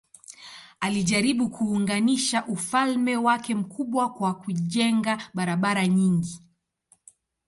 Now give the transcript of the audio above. Alijaribu kuunganisha ufalme wake mkubwa kwa kujenga barabara nyingi.